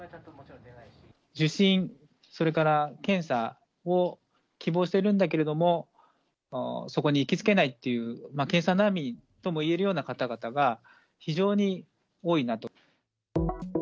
受診、それから検査を希望しているんだけれども、そこに行きつけないっていう、検査難民とも言えるような方々が、非常に多いなと。